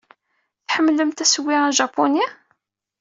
Tḥemmlemt assewwi ajapuni?